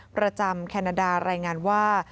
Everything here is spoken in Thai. ประจำแคนาดารายงานว่า